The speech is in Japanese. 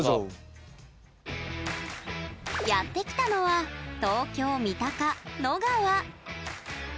やってきたのは東京・三鷹、野川。